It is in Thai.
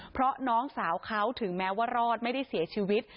เพราะน้องสาวเขาถึงแม้ว่ารอดไม่ได้เสียชีวิต